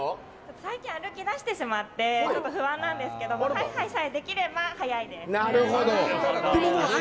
最近、歩き出してしまってちょっと不安なんですけどハイハイさえできれば速いです。